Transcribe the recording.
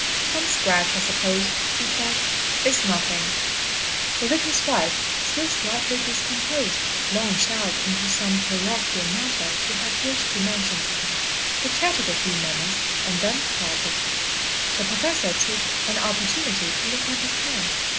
"Some scratch, I suppose," he said. "It's nothing." The vicar's wife, still slightly discomposed, launched out into some parochial matter she had wished to mention to him. They chatted a few moments and then parted. The Professor took an opportunity to look at his hand.